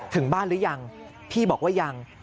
ถึงบ้านหรือยังพี่บอกว่ายัง